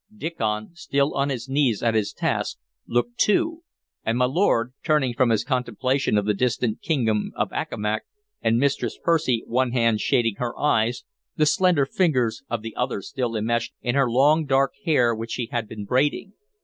Diccon, still on his knees at his task, looked too; and my lord, turning from his contemplation of the distant kingdom of Accomac; and Mistress Percy, one hand shading her eyes, the slender fingers of the other still immeshed in her long dark hair which she had been braiding.